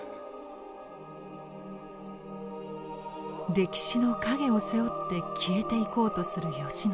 歴史の影を背負って消えていこうとする慶喜。